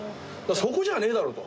そこじゃねえだろと。